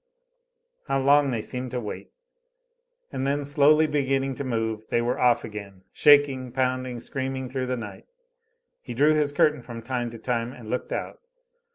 How long they seemed to wait. And then slowly beginning to move, they were off again, shaking, pounding, screaming through the night. He drew his curtain from time to time and looked out.